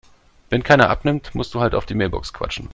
Wenn keiner abnimmt, musst du halt auf die Mailbox quatschen.